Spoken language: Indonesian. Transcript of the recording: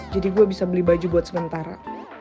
jadi gue bisa beli baju buat sementara